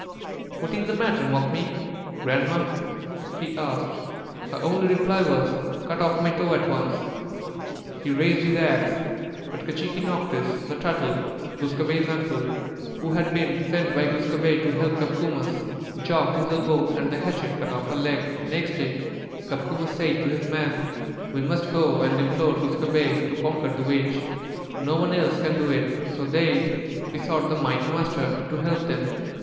"What is the matter, 'Mookmee' [Grandma]?" he asked. Her only reply was: "Cut off my toe at once." He raised his axe, but K'chīquīnocktsh, the Turtle, Glūs kābé's uncle, who had been sent by Glūs kābé to help Copcomus, jogged his elbow and the hatchet cut off her leg. Next day Copcomus said to his men: "We must go and implore Glūs kābé to conquer the witch. No one else can do it." So they besought the mighty Master to help them.